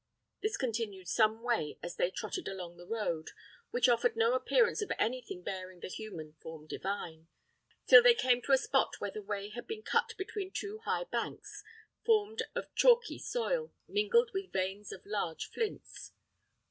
This continued some way as they trotted along the road, which offered no appearance of anything bearing the human form divine, till they came to a spot where the way had been cut between two high banks, formed of chalky soil mingled with veins of large flints.